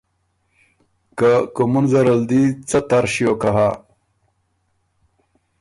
که کُومُن زرل دی څۀ تر ݭیوک هۀ۔